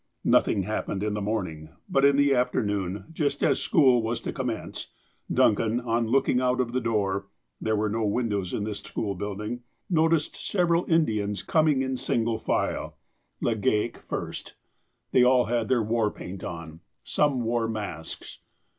Nothing happened in the morning, but in the afternoon, just as school was to commence, Duncan, on looking out of the door (there were no windows in this school build ing), noticed several Indians coming in single file, Legale THE DEVIL ABROAD 133 first. They all liad their war paint on. Some wore masks.